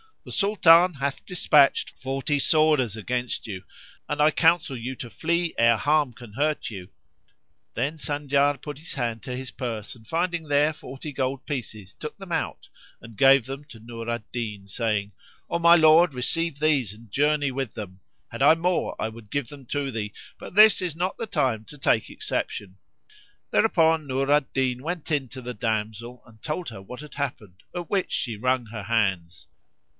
The Sultan hath despatched forty sworders against you and I counsel you to flee ere harm can hurt you." Then Sanjar put his hand to his purse and finding there forty gold pieces took them; and gave them to Nur al Din, saying, "O my lord receive these and journey with them. Had I more I would give them to thee, but this is not the time to take exception." Thereupon Nur al Din went in to the damsel and told her what had happened, at which she wrung her hands.